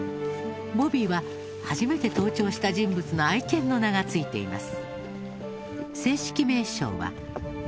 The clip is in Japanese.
「ボビー」は初めて登頂した人物の愛犬の名が付いています。